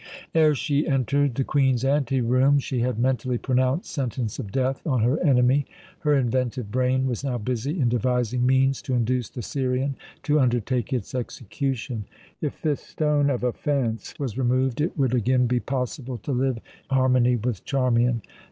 Ere she entered the Queen's anteroom she had mentally pronounced sentence of death on her enemy. Her inventive brain was now busy in devising means to induce the Syrian to undertake its execution. If this stone of offence was removed it would again be possible to live in harmony with Charmian.